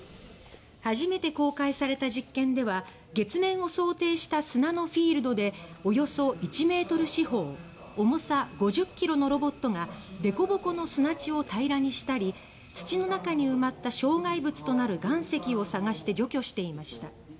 初めて公開された実験では月面を想定した砂のフィールドでおよそ１メートル四方重さ５０ｋｇのロボットがでこぼこの砂地を平らにしたり土の中に埋まった障害物となる岩石を探して除去しました。